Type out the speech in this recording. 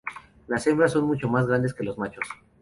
Las hembras son mucho más grandes que los machos.